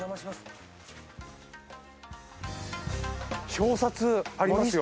表札ありますよ。